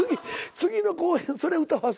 次の公演それ歌わす？